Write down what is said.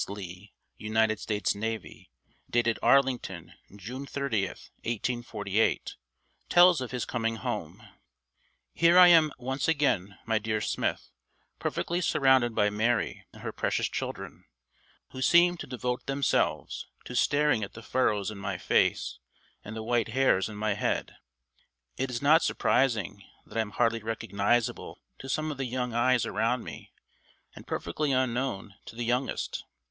Lee, United States Navy, dated "Arlington, June 30, 1848," tells of his coming home: "Here I am once again, my dear Smith, perfectly surrounded by Mary and her precious children, who seem to devote themselves to staring at the furrows in my face and the white hairs in my head. It is not surprising that I am hardly recognisable to some of the young eyes around me and perfectly unknown to the youngest.